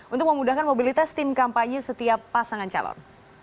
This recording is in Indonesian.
untuk memudahkan mobilitas tim kampanye setiap pasangan calon